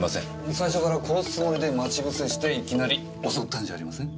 最初から殺すつもりで待ち伏せしていきなり襲ったんじゃありません？